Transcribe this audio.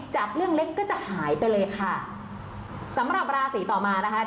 จากเรื่องเล็กก็จะหายไปเลยค่ะสำหรับราศีต่อมานะคะ